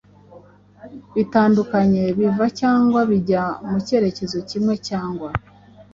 bitandukanye biva cyangwa bijya mu cyerekezo kimwe cyangwa